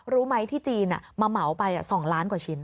รู้ไหมที่จีนมาเหมาไป๒ล้านกว่าชิ้น